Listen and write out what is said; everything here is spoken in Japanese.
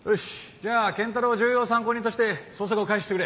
じゃあ賢太郎を重要参考人として捜索を開始してくれ。